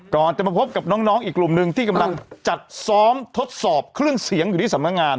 ก่อนจะมาพบกับน้องอีกกลุ่มหนึ่งที่กำลังจัดซ้อมทดสอบเครื่องเสียงอยู่ที่สำนักงาน